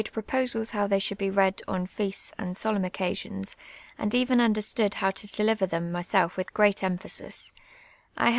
mon," iiiaiU' j)i<>posals how they sliould bo read on feasts and soU'inu oeeasions, and even understood how to deliver them myself with i^reat emphasis, I had.